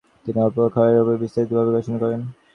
তিনি অম্ল এবং ক্ষারের ওপর বিস্তারিত ভাবে গবেষণা করেন।